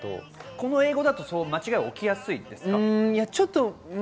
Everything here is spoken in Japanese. この英語だと間違いは起きやすいですか？